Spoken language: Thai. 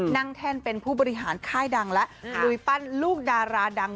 แท่นเป็นผู้บริหารค่ายดังแล้วลุยปั้นลูกดาราดัง